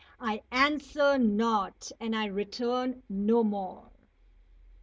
I answer not, and I return no more!